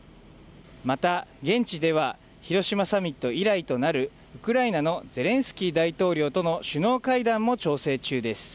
また、現地では、広島サミット以来となるウクライナのゼレンスキー大統領との首脳会談も調整中です。